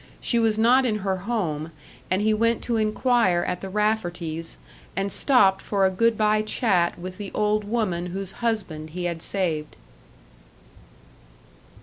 She was not in her home, and he went to inquire at the Rafferties', and stopped for a good bye chat with the old woman whose husband he had saved.